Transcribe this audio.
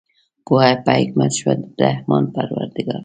پوهه په حکمت شوه د رحمان پروردګار